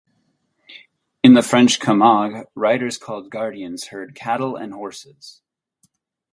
In the French Camargue, riders called "gardians" herd cattle and horses.